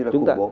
như là khủng bố